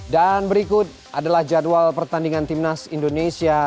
dan berikut adalah jadwal pertandingan timnas indonesia